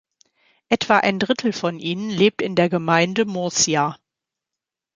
Etwa ein Drittel von ihnen lebt in der Gemeinde Murcia.